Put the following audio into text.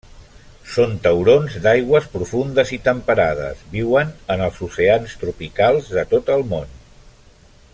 Són taurons d'aigües profundes i temperades, viuen en els oceans tropicals de tot el món.